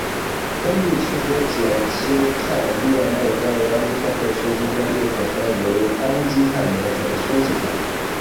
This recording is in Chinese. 根据其所剪切肽链末端为氨基端或羧基端又可分为氨基肽酶和羧基肽酶。